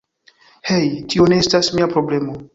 Hej, tio ne estas mia problemo